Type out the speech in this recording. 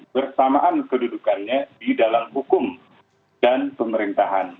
bersamaan kedudukannya di dalam hukum dan pemerintahan